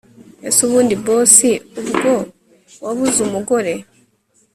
ese ubundi boss ubwo wabuze umugore